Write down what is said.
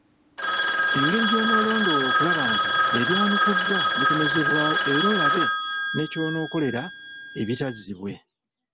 Engeri gy’onoolondoola okulaba nti ebyanukuddwa bikomezebwawo era olabe ne ky’onookolera ebitazzibwe.